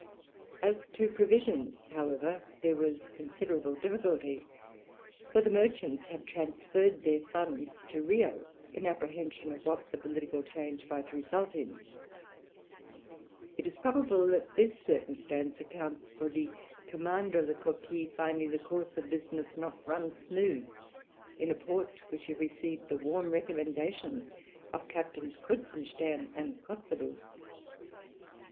As to provisions, however, there was considerable difficulty, for the merchants had transferred their funds to Rio, in apprehension of what the political change might result in. It is probable that this circumstance accounts for the commander of the Coquille finding the course of business not run smooth in a port which had received the warm recommendations of Captains Kruzenstern and Kotzebue.